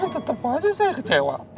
tetep aja saya kecewa